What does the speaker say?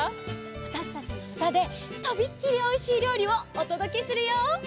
わたしたちのうたでとびっきりおいしいりょうりをおとどけするよ。